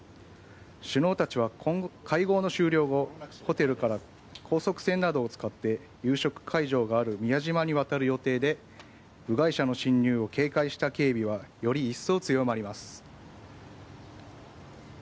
首脳たちは会合の終了後ホテルから高速船などを使って夕食会場がある宮島に渡る予定で部外者の侵入を警戒した警備はより一層強まります。